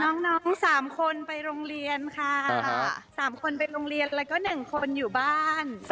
น้อง๓คนไปโรงเรียนค่ะ๓คนไปโรงเรียนแล้วก็๑คนอยู่บ้าน